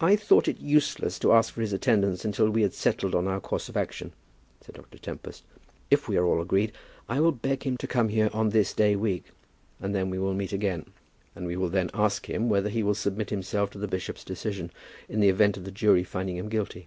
"I thought it useless to ask for his attendance until we had settled on our course of action," said Dr. Tempest. "If we are all agreed, I will beg him to come here on this day week, when we will meet again. And we will then ask him whether he will submit himself to the bishop's decision, in the event of the jury finding him guilty.